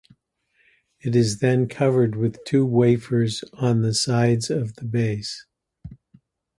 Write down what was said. It is then covered with two wafers on the sides of the base.